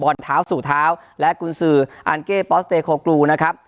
เท้าสู่เท้าและกุญสืออันเก้ปอสเตโคกรูนะครับ